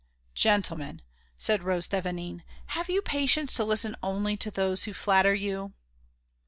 "Gentlemen," said Rose Thévenin, "have you patience to listen only to those who flatter you?"